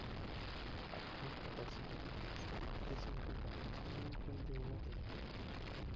Actuó en catorce películas, dirigió cincuenta y escribió el guion de una treintena.